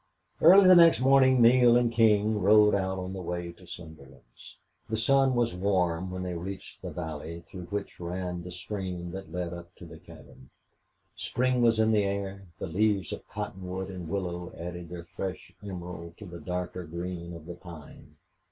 Early the next morning Neale and King rode out on the way to Slingerland's. The sun was warm when they reached the valley through which ran the stream that led up to the cabin. Spring was in the air. The leaves of cottonwood and willow added their fresh emerald to the darker green of the pine.